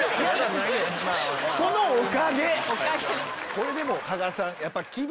これでも鹿賀さん。